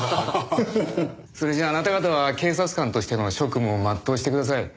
それじゃああなた方は警察官としての職務を全うしてください。